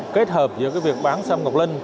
kết hợp giữa việc bán xâm ngọc linh